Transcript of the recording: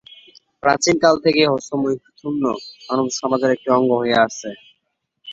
প্রাচীনকাল থেকেই হস্তমৈথুন মানব সমাজের একটি অঙ্গ হয়ে আছে।